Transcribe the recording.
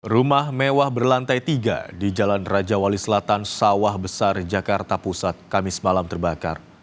rumah mewah berlantai tiga di jalan raja wali selatan sawah besar jakarta pusat kamis malam terbakar